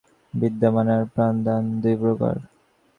দুই প্রকার দান বিশেষ প্রশংসার্হ, বিদ্যাদান আর প্রাণদান।